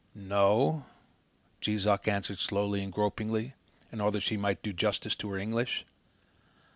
"No," Jees Uck answered slowly and gropingly, in order that she might do justice to her English.